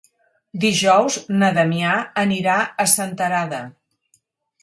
Dijous na Damià anirà a Senterada.